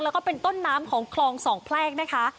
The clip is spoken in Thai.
แล้วก็เป็นต้นน้ำของคลองสองแพรกนะคะ